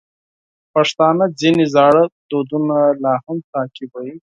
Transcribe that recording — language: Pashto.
پښتانه ځینې زاړه دودونه لا هم تعقیبوي.